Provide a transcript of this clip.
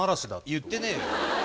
言ってねえよ。